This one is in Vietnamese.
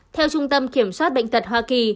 theo trung tâm kiểm soát bệnh tật hoa kỳ